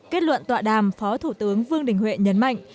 kết luận tọa đàm phó thủ tướng vương đình huệ nhấn mạnh